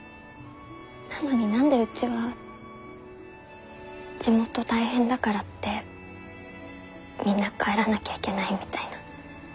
なのに何でうちは地元大変だからってみんな帰らなきゃいけないみたいな。